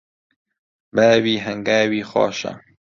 باوی هەنگاوی خۆشە